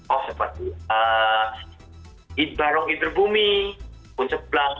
oh seperti barong interbumi punca blang